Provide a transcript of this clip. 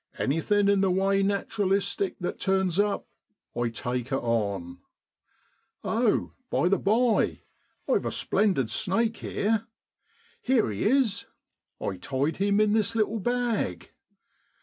Anything in the way naturalistic that turns up I take it on. Oh ! by the by, I've a splendid snake here. Here he is, I tied him in this little bag.